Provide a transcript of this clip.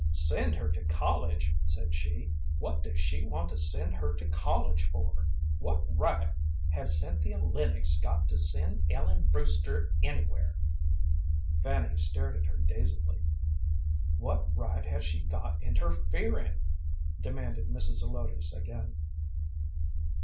"Send her to college!" said she. "What does she want to send her to college for? What right has Cynthia Lennox got to send Ellen Brewster anywhere?" Fanny stared at her dazedly. "What right has she got interfering?" demanded Mrs. Zelotes again.